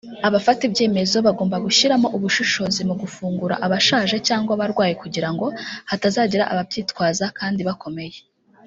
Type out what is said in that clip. abafata ibyemezo bagomba gushyiramo ubushishozi mu gufungura abashaje cyangwa abarwaye kugira ngo hatazagira ababyitwaza kandi bakomeye